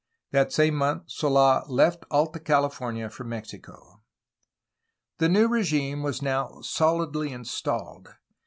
That same month SoM left Alta California for Mexico. The new regime was now solidly installed.